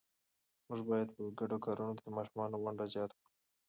موږ باید په ګډو کارونو کې د ماشومانو ونډه زیات کړو